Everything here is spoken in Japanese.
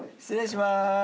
失礼します。